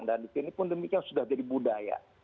dan di sini pun demikian sudah jadi budaya